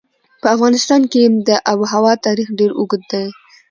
په افغانستان کې د آب وهوا تاریخ ډېر اوږد دی.